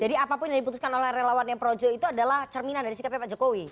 jadi apapun yang diputuskan oleh relawannya projo itu adalah cerminan dari sikapnya pak jokowi